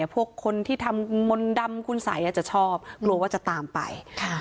พวกคนที่ทำมนต์ดำคุณสัยอาจจะชอบกลัวว่าจะตามไป